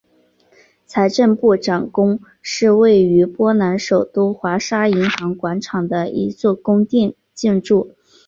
财政部长宫是位于波兰首都华沙银行广场的一座宫殿建筑。